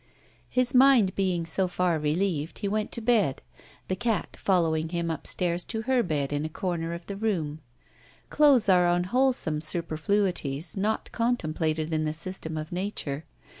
His mind being so far relieved, he went to bed the cat following him upstairs to her bed in a corner of the room. Clothes are unwholesome superfluities not contemplated in the system of Nature.